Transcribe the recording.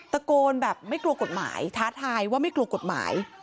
ตะโกนแบบไม่กลัวกฎหมายท้าทายว่าไม่กลัวกฎหมาย